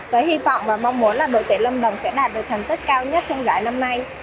tôi hy vọng và mong muốn là đội tuyển lâm đồng sẽ đạt được thành tích cao nhất trong giải năm nay